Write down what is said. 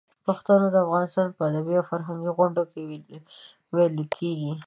پښتو د افغانستان په ادبي او فرهنګي غونډو کې ویلې کېږي.